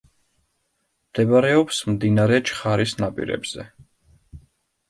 მდებარეობს მდინარე ჩხარის ნაპირებზე.